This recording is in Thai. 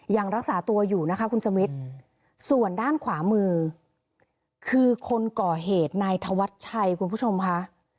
ยังรักษาตัวอยู่นะคะคุณสมิทส่วนด้านขวามือคือคนก่อเหตุนายธวัชชัยคุณผู้ชมค่ะ